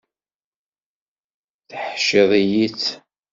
Teḥciḍ-iyi-tt.